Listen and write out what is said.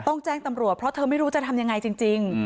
แจ้งตำรวจเพราะเธอไม่รู้จะทำยังไงจริง